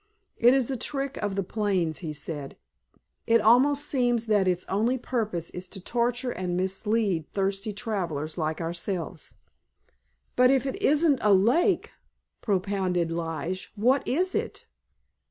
"It is a trick of the plains," he said. "It almost seems that its only purpose is to torture and mislead thirsty travelers like ourselves." "But if it isn't a lake," propounded Lige, "what is it?